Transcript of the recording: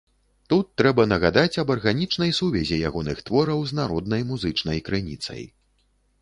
Тут трэба нагадаць аб арганічнай сувязі ягоных твораў з народнай музычнай крыніцай.